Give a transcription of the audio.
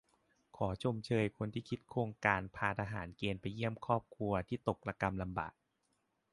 ขอชมเชยคนคิดโครงการพาทหารเกณฑ์ไปเยี่ยมครอบครัวที่ตกระกำลำบาก